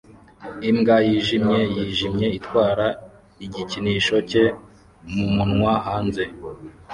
Imbwa yijimye yijimye itwara igikinisho cye mumunwa hanze